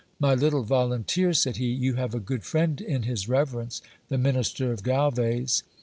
My little volunteer, said he, you have a good friend in his reverence, SCIPIOS STORY. 369 the minister of Galves.